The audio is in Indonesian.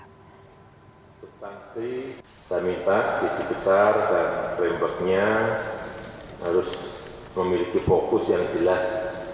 substansi saya minta visi besar dan frameworknya harus memiliki fokus yang jelas